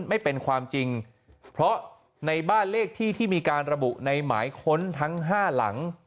ไม่เป็นความจริงเพราะในบ้านเลขที่ที่มีการระบุในหมายค้นทั้งห้าหลัง